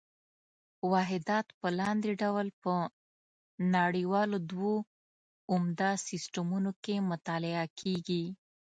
واحدات په لاندې ډول په نړیوالو دوو عمده سیسټمونو کې مطالعه کېږي.